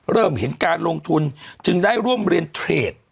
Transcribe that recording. เริ่มเห็นการลงทุนจึงได้ร่วมเรียนเทรด